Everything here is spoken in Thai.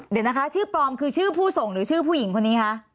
เดี๋ยวนะคะชื่อปลอมคือชื่อผู้ส่งหรือชื่อผู้หญิงคนนี้คะ